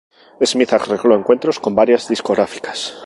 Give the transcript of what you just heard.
Smith arregló encuentros con varias discográficas.